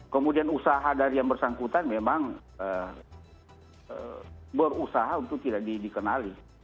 kemudian usaha dari yang bersangkutan memang berusaha untuk tidak dikenali